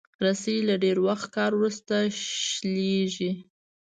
رسۍ له ډېر وخت کار وروسته شلېږي.